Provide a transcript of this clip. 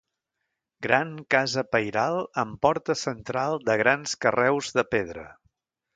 Gran casa pairal amb portal central de grans carreus de pedra.